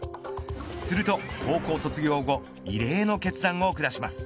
すると、高校卒業後異例の決断を下します。